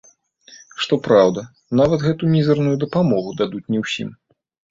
Што праўда, нават гэтую мізэрную дапамогу дадуць не ўсім.